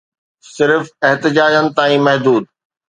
صرف احتجاجن تائين محدود